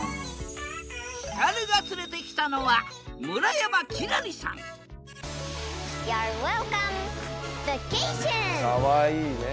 ヒカルが連れてきたのはかわいいね。